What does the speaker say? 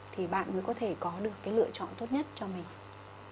thì bạn mới có thể có được cái lựa chọn tốt nhất cho mình